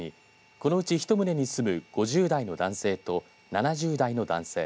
このうち一棟に住む５０代の男性と７０代の男性